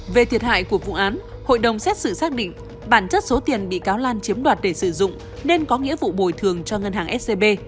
về thiệt hại của vụ án hội đồng xét xử xác định bản chất số tiền bị cáo lan chiếm đoạt để sử dụng nên có nghĩa vụ bồi thường cho ngân hàng scb